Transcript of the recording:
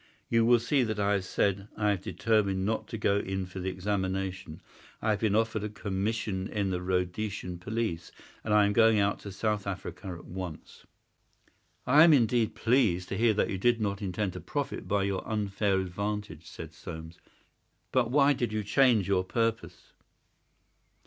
You will see that I have said, 'I have determined not to go in for the examination. I have been offered a commission in the Rhodesian Police, and I am going out to South Africa at once."' "I am indeed pleased to hear that you did not intend to profit by your unfair advantage," said Soames. "But why did you change your purpose?"